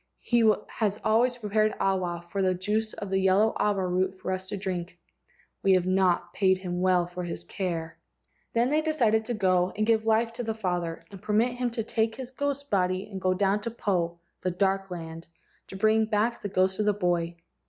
He has always prepared awa* from the juice of the yellow awa root for us to drink. We have not paid him well for his care." Then they decided to go and give life to the father, and permit him to take his ghost body and go down into Po, the dark land, to bring back the ghost of the boy.